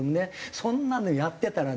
そんなのやってたらね